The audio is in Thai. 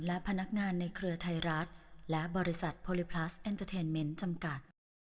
และพนักงานในเครือไทยรัฐและบริษัทโพลิพลัสเอ็นเตอร์เทนเมนต์จำกัด